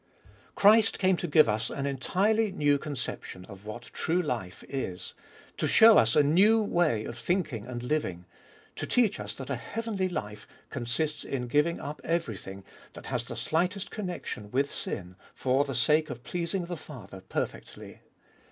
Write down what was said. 7. Christ came to give us an entirely new conception of what true life is, to show us a new way of thinking and living, to teach us that a heavenly life consists in gluing up every thing that has the slightest connection with sin for the sake of pleasing the Father perfectly.